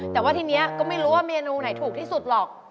แต่ว่าทีนี้ก็ไม่รู้ว่าเมนูไหนถูกที่สุดหรอก